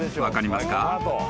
分かりますか？